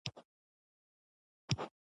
لوگر د افغانستان په اوږده تاریخ کې ذکر شوی دی.